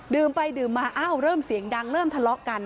ไปดื่มมาอ้าวเริ่มเสียงดังเริ่มทะเลาะกัน